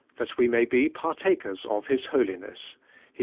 Iliat we may be partakers of His holiness (Hel>.